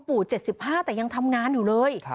๗๕แต่ยังทำงานอยู่เลย